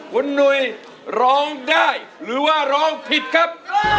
คุณหนุ่ยร้องได้หรือว่าร้องผิดครับ